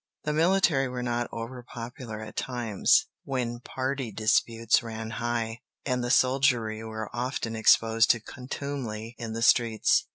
The military were not overpopular at times, when party disputes ran high, and the soldiery were often exposed to contumely in the streets.